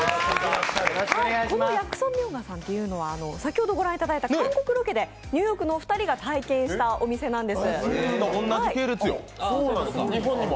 この薬手名家さんというのは先ほどご覧いただいた韓国ロケでニューヨークの２人が体験したお店なんです。